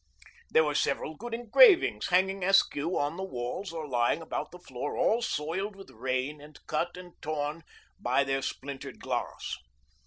There were several good engravings hanging askew on the walls or lying about the floor, all soiled with rain and cut and torn by their splintered glass.